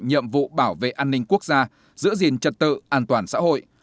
nhiệm vụ bảo vệ an ninh quốc gia giữ gìn trật tự an toàn xã hội